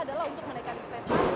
adalah untuk menaikkan investasi